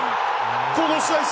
この試合